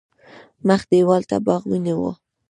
مخ دېوال ته باغ ونیو.